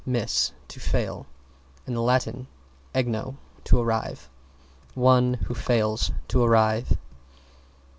miss, to fail, and Lat. engeo, to arrive. One who fails to arrive.